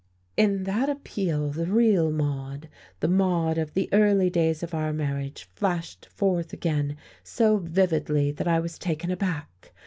In that appeal the real Maude, the Maude of the early days of our marriage flashed forth again so vividly that I was taken aback.